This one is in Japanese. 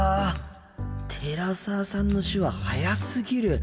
寺澤さんの手話速すぎる。